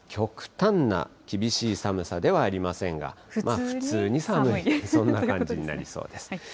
極端な厳しい寒さではありませんが、普通に寒い、そんな感じになりそうです。